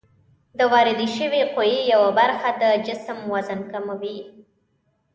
د واردې شوې قوې یوه برخه د جسم وزن کموي.